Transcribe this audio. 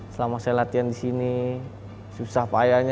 selama saya latihan di sini susah payahnya suka dukanya